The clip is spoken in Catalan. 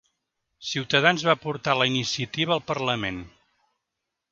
Ciutadans va portar la iniciativa al parlament